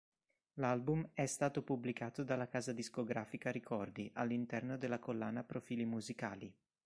L'album è stato pubblicato dalla casa discografica Ricordi all'interno della collana Profili Musicali.